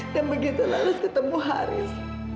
dan begitu laras ketemu haris